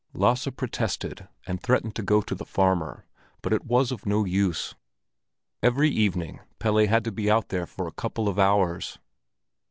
Lasse protested and threatened to go to the farmer, but it was of no use; every evening Pelle had to be out there for a couple of hours.